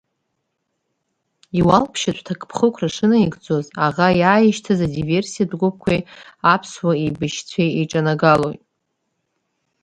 Иуалԥшьатә ҭакԥхықәра шынаигӡоз, аӷа иааишьҭыз адиверсиатә гәыԥқәеи аԥсуа еибашьцәеи еиҿанагалоит.